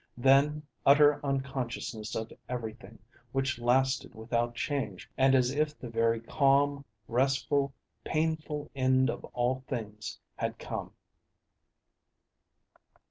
Then utter unconsciousness of everything, which lasted without change and as if the very calm, restful, painful end of all things had come.